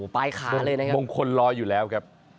ปลายขาเลยนะครับมงคลรออยู่แล้วครับ